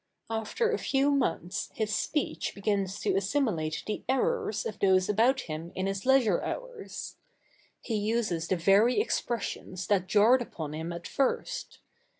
After a few months his speech begins to assimilate the errors of those about him in his leisure hours. He uses the very expressions that jarred upon him at first.